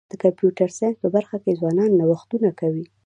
د کمپیوټر ساینس په برخه کي ځوانان نوښتونه کوي.